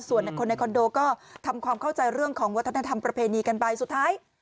ส่วนคนในคอนโดก็ทำความเข้าใจเรื่องของวัฒนธรรมประเพณีกันไปสุดท้าย